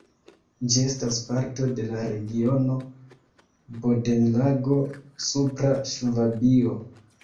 Ĝi estas parto de la regiono Bodenlago-Supra Ŝvabio.